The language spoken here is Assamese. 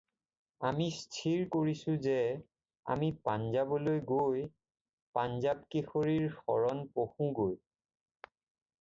আমি স্থিৰ কৰিছোঁ যে আমি পঞ্জাবলৈ গৈ পঞ্জাৱকেশৰীৰ শৰণ পশো গৈ।